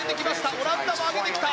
オランダも上げてきた！